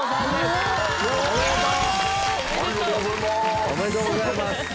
ありがとうございます！